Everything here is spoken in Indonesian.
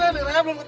mau yang r about